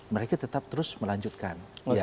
mereka tetap terus melanjutkan